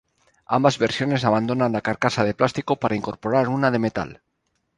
Ambas versiones abandonan la carcasa de plástico para incorporar una de metal.